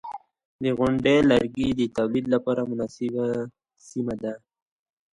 • غونډۍ د لرګیو د تولید لپاره مناسبه سیمه ده.